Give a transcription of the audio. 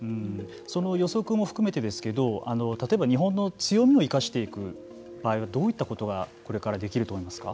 その予測も含めてですけど例えば日本の強みを生かしていく場合はどういったことがこれからできると思いますか。